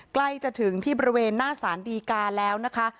ใกล้จะถึงที่บริเวณหน้าสารดีกาแล้วนะคะ